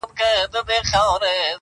ماخو ستا غمونه ځوروي گلي .